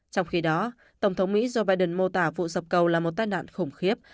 trong khi đó tổng thống mỹ joe biden mô tả vụ sập cầu là một tai nạn khủng khiếp